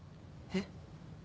えっ？